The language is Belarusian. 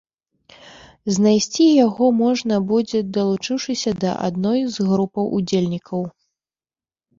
Знайсці яго можна будзе, далучыўшыся да адной з групаў удзельнікаў.